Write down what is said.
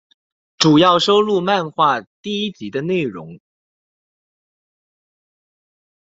主要收录漫画第一集的内容。